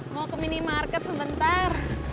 mau ke minimarket sebentar